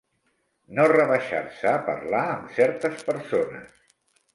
No rebaixar-se a parlar amb certes persones.